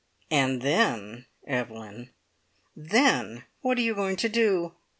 And then, Evelyn, then what are you going to do?